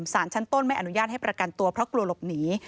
สารชั้นต้นไม่อนุญาตให้ประกันตัวเพราะกลัวหลบหนี